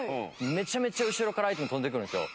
めちゃめちゃ後ろからアイテム飛んでくるんですよ。